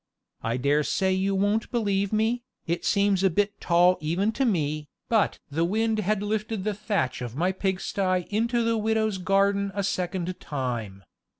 I dare say you won't believe me, it seems a bit tall even to me, but the wind had lifted the thatch of my pigsty into the widow's garden a second time.